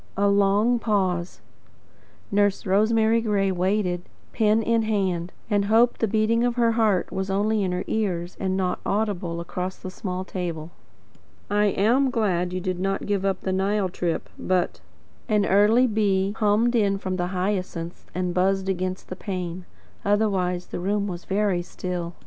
A long pause. Nurse Rosemary Gray waited, pen in hand, and hoped the beating of her heart was only in her own ears, and not audible across the small table. "I am glad you did not give up the Nile trip but " An early bee hummed in from the hyacinths and buzzed against the pane. Otherwise the room was very still.